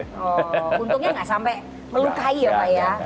oh untungnya enggak sampai melukai ya pak ya